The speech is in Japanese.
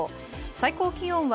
最高気温は